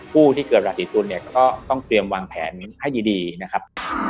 ผู้ที่เกิดราศีตุลเนี่ยก็ต้องเตรียมวางแผนให้ดีนะครับ